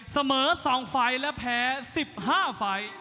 เสมอ๒ไฟล์และแพ้๑๕ไฟล์